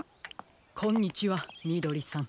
こんにちはみどりさん。